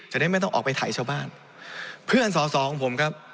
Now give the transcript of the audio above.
จะได้ไม่ต้องออกไปถ่ายชาวบ้านเพื่อนสอสอของผมครับ